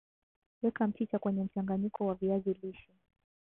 weka mchicha kwenye mchanganyiko wa viazi lishe